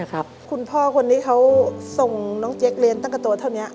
คุณพ่อคนนี้เขาส่งน้องเจ๊กเรียนตั้งแต่ตัวเท่านี้